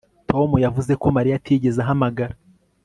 Tom yavuze ko Mariya atigeze ahamagara